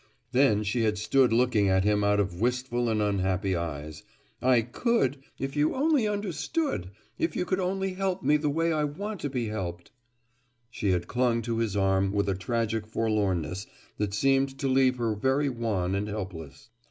Then she had stood looking at him out of wistful and unhappy eyes. "I could—if you only understood, if you could only help me the way I want to be helped!" She had clung to his arm with a tragic forlornness that seemed to leave her very wan and helpless.